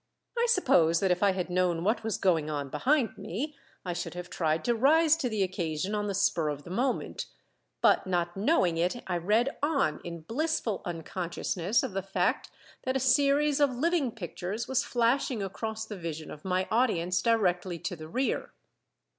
I suppose that if I had known what was going on behind me, I should have tried to rise to the occasion on the spur of the moment; but not knowing it I read on, in blissful unconsciousness of the fact that a series of living pictures was flashing across the vision of my audience directly to the rear.